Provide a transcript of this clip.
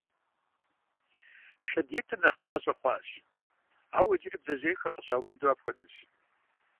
Шэд итыр нэхъ мащӀэ хъуащ, ауэ иджыри бдзэжьейхэр къыщаубыду апхуэдэщ.